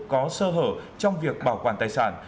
có sơ hở trong việc bảo quản tài sản